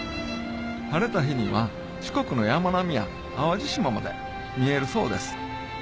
晴れた日には四国の山並みや淡路島まで見えるそうです